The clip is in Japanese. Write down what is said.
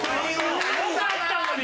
よかったのに。